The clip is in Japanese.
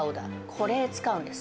これ使うんです。